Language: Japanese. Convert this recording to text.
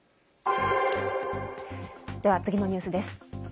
では、次のニュースです。